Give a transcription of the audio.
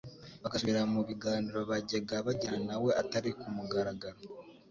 Bagasubira mu biganiro bajyaga bagirana na we Atari ku mugaragaro